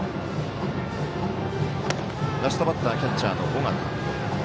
ラストバッターキャッチャーの尾形。